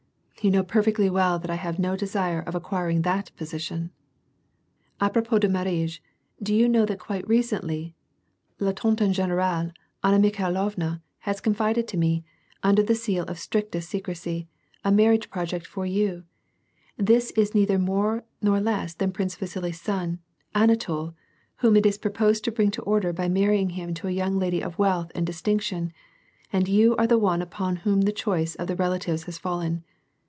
You know perfectly well that I have no desire of acquiring that position !'*' Ajyropos de marlage, do you know that quite recently la tante eti general, Anna Mikhailovna, has confided to me, under the seal of the strictest secrecy, a marriage project for you : this is neither more nor less than Prince Vasili's son, Anatol, whom it is proposed to bring to order by marrying him to a young lady of wealth and distinction, and you are the one upon whom the choice of the relatives has fallen.